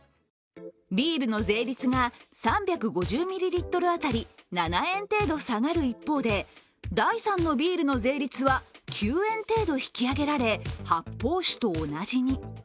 ビールの税率が３５０ミリリットル当たり７円程度下がる一方で第３のビールの税率は９円程度引き上げられ、発泡酒と同じに。